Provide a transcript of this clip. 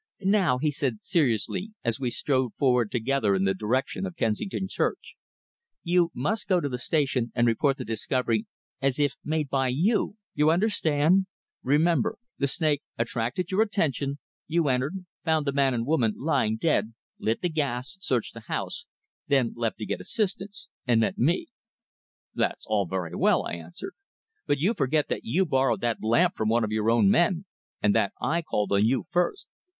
"Now," he said seriously, as we strode forward together in the direction of Kensington Church, "you must go to the station and report the discovery as if made by you you understand. Remember, the snake attracted your attention, you entered, found the man and woman lying dead, lit the gas, searched the house, then left to get assistance, and met me." "That's all very well," I answered. "But you forget that you borrowed that lamp from one of your own men, and that I called on you first."